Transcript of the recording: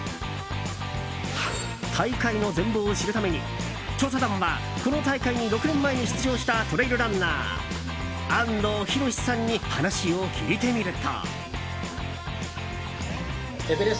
大会の全貌を知るために調査団はこの大会に６年前に出場したトレイルランナー、安藤大さんに話を聞いてみると。